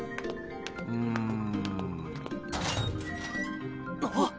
うん。あっ。